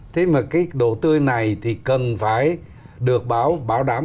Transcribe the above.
thế mà cái đồ tươi này thì cần phải được bảo đảm